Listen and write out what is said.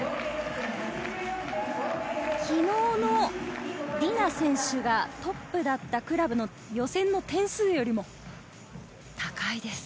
昨日のディナ選手がトップだったクラブの予選の点数よりも高いです。